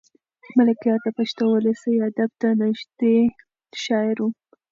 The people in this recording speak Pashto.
ملکیار د پښتو ولسي ادب ته نږدې شاعر و.